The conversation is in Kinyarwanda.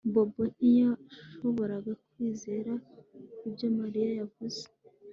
Bobo ntiyashoboraga kwizera ibyo Mariya yavuze